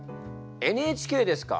「ＮＨＫ」ですか。